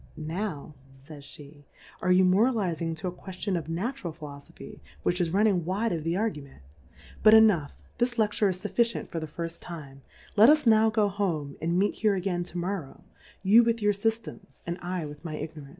Now, faysfhe^ are you moralizing to a Qiieilion of Na tural'Poilofopby which is running wide of the Argument : But enough, this Le ftureisfufficient for the firilTime, let us now go home, and meet here again to Morrov/, You with your Sjftems, and I with my Ignorance..